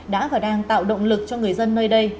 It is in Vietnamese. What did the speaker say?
đã và đang tạo động lực cho người dân nơi đây